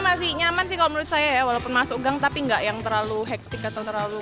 masih nyaman sih kalau menurut saya ya walaupun masuk gang tapi nggak yang terlalu hektik atau terlalu